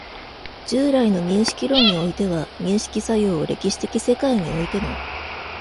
従来の認識論においては、認識作用を歴史的世界においての